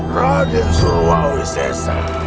raden suruawi sesa